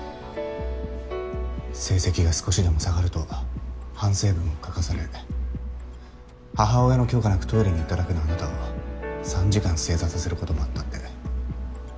成績が少しでも下がると反省文を書かされ母親の許可なくトイレに行っただけのあなたを３時間正座させることもあったって。